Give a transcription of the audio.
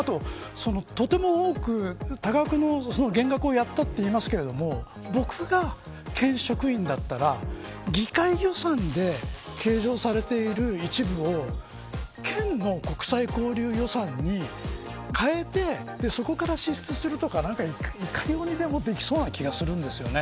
とても多く、多額の減額をやったといいますけど僕が県職員だったら議会予算で計上されている一部を県の国際交流予算に変えて、そこから支出するとかいかようにもできそうな気がするんですよね。